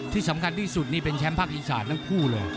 ที่สำคัญที่สุดนี่เป็นแชมป์ภาคอีสานทั้งคู่เลย